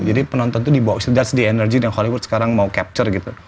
jadi penonton tuh dibawa ke situ that's the energy yang hollywood sekarang mau capture gitu